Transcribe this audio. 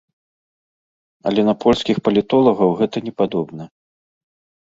Але на польскіх палітолагаў гэта не падобна.